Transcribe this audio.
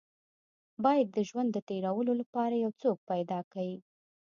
بايد د ژوند د تېرولو لپاره يو څوک پيدا کې.